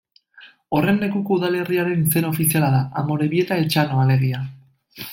Horren lekuko udalerriaren izen ofiziala da, Amorebieta-Etxano alegia.